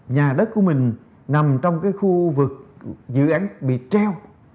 nhà đất của mình nằm trong cái khu vực dự án bị treo